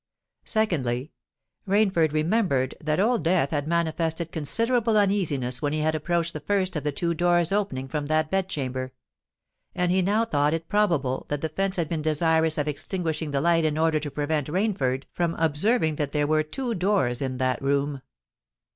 Secondly, Rainford remembered that Old Death had manifested considerable uneasiness when he had approached the first of the two doors opening from that bed chamber; and he now thought it probable that the fence had been desirous of extinguishing the light in order to prevent Rainford from observing that there were two doors in that room.